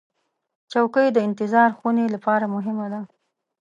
چوکۍ د انتظار خونې لپاره مهمه ده.